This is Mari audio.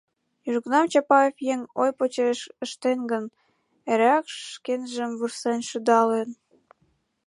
Южгунам Чапаев еҥ ой почеш ыштен гын, эреак шкенжым вурсен, шудалын...